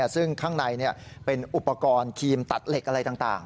ซึ่งข้างในเป็นอุปกรณ์ครีมตัดเหล็กอะไรต่าง